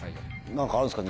何かあるんですか？